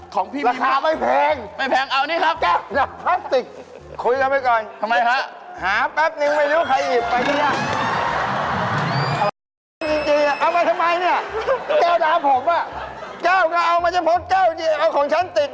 ของพี่นี่แหวะแก้วน้ำพลาสติก